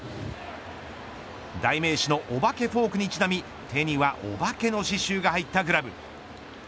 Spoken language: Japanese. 代名詞のお化けフォークにちなみ手には、お化けの刺しゅうが入ったグラブ。